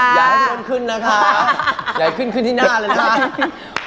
อย่าให้คนขึ้นนะคะอย่าขึ้นขึ้นที่หน้าเลยนะครับ